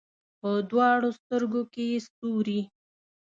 په دواړو سترګو کې یې ستوري